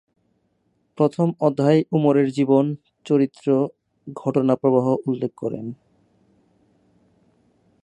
প্রথম অধ্যায়ে উমরের জীবন চরিত্র ঘটনা প্রবাহ উল্লেখ করেন।